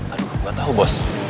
aduh gak tau bos